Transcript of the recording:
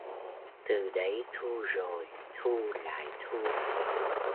Từ đấy thu rồi thu lại thu